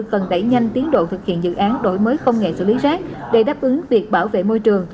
cần đẩy nhanh tiến độ thực hiện dự án đổi mới công nghệ xử lý rác để đáp ứng việc bảo vệ môi trường